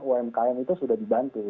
umkm itu sudah dibantu